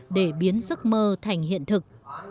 để biến giấc mơ thành hiện thực